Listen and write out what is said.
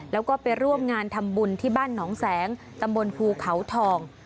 แล้วก็ไปร่วมงานทำบุญที่บ้านหนองแสงตำบลภูเขาทอง